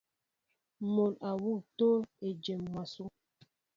Mol awŭ tól ejém mwaso.